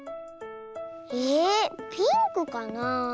えピンクかなあ？